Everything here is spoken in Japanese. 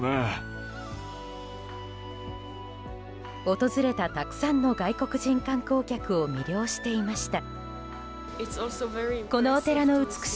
訪れたたくさんの外国人観光客を魅了していました。